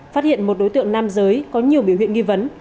phát hiện một đối tượng nam giới có nhiều biểu hiện nghi vấn